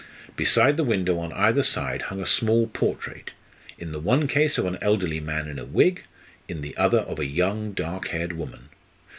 Beside the window on either side hung a small portrait in the one case of an elderly man in a wig, in the other of a young, dark haired woman.